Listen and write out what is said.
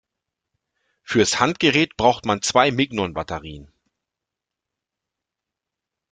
Fürs Handgerät braucht man zwei Mignon-Batterien.